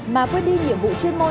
mà quyết đi nhiệm vụ chuyên môn